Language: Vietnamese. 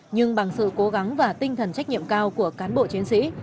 nhưng bằng sự cố gắng và tinh thần trách nhiệm cao của cán bộ chiến sĩ